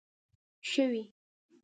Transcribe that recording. شوې